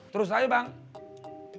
terus aja semua kesalahan dilimpahin ke gue